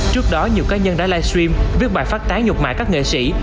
trước đó nhiều cá nhân đã live stream viết bài phát tán nhục mại các nghệ sĩ